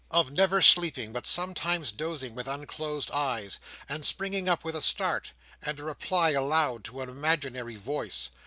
Of never sleeping, but sometimes dozing with unclosed eyes, and springing up with a start, and a reply aloud to an imaginary voice.